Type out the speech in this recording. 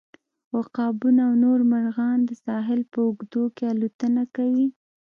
عقابونه او نور مرغان د ساحل په اوږدو کې الوتنه کوي